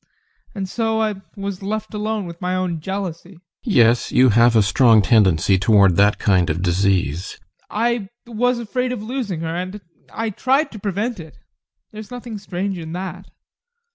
And so I was left alone with my own jealousy. GUSTAV. Yes, you have a strong tendency toward that kind of disease. ADOLPH. I was afraid of losing her and I tried to prevent it. There is nothing strange in that.